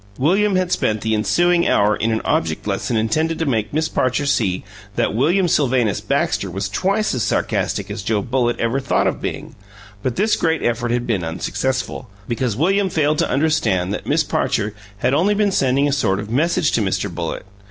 William had spent the ensuing hour in an object lesson intended to make Miss Parcher see that William Sylvanus Baxter was twice as sarcastic as Joe Bullitt ever thought of being, but this great effort had been unsuccessful, because William, failed to understand that Miss Parcher had only been sending a sort of message to Mr. Bullitt.